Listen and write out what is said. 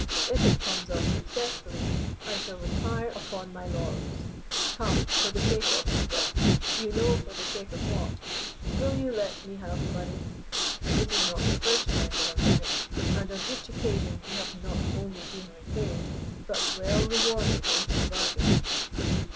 If it comes off successfully, I shall retire upon my laurels. Come, for the sake of well, you know for the sake of what will you let me have the money? It is not the first time you have done it, and on each occasion you have not only been repaid, but well rewarded into the bargain."